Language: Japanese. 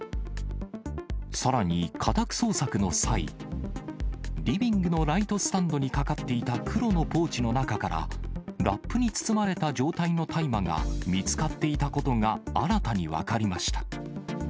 さらに、家宅捜索の際、リビングのライトスタンドにかかっていた黒のポーチの中から、ラップに包まれた状態の大麻が見つかっていたことが新たに分かりました。